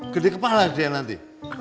gede kepala dia nanti